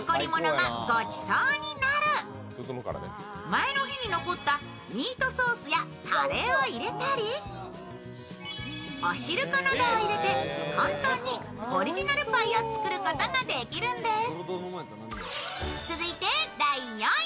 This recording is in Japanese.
前の日に残ったミートソースやカレーを入れたりおしるこなどを入れて、簡単にオリジナルパイを作ることができるんです。